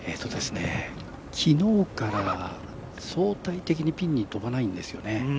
昨日から相対的にピンに飛ばないんですよね。